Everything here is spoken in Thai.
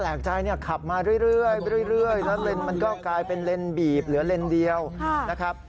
แล้วเลนส์มันก็กลายเป็นเลนส์บีบเหลือเลนส์เดียวนะครับ